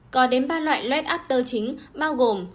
có đến ba loại lết after chính bao gồm